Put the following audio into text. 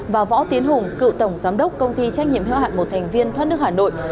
và võ tiến hùng cựu tổng giám đốc công ty trách nhiệm hữu hạn một thành viên thoát nước hà nội